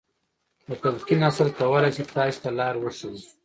د تلقين اصل کولای شي تاسې ته لار وښيي.